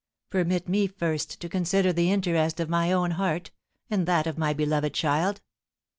"Permit me first to consider the interest of my own heart, and that of my beloved child.